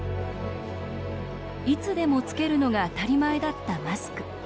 いつでもつけるのが当たり前だったマスク。